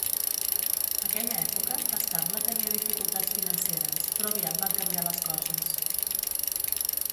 Aquella època, l'estable tenia dificultats financeres, però aviat van canviar les coses.